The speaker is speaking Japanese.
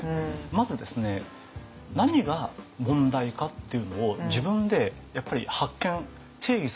まずですね何が問題かっていうのを自分でやっぱり発見定義する必要があるんですね。